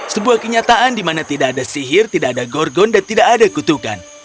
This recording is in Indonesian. sebuah kenyataan di mana tidak ada sihir tidak ada gorgon dan tidak ada kutukan